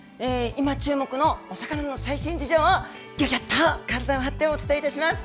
今注目のお魚の最新事情をぎょぎょっと体を張ってお伝えします。